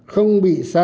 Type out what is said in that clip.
không bị sang